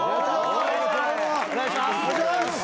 お願いします。